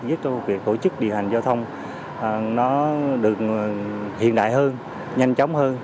giúp cho việc tổ chức điều hành giao thông nó được hiện đại hơn nhanh chóng hơn